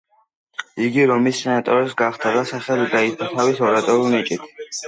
იგი რომის სენატორი გახდა და სახელი გაითქვა თავისი ორატორული ნიჭით.